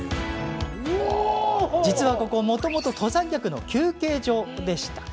実はここ、もともと登山客の休憩所でした。